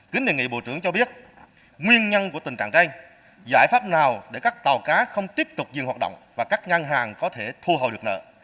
kính đề nghị bộ trưởng cho biết nguyên nhân của tình trạng đây giải pháp nào để các tàu cá không tiếp tục dừng hoạt động và các ngân hàng có thể thu hồi được nợ